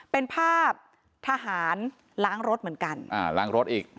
เป็นภาพทหารล้างรถเหมือนกันอ่าล้างรถอีก